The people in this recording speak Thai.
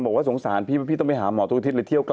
บอกว่าสงสารพี่ว่าพี่ต้องไปหาหมอทุกอาทิตย์